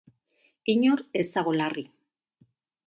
Inor ez dago larri.